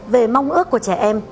về mong ước của trẻ em